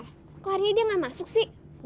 kok hari ini dia nggak masuk sih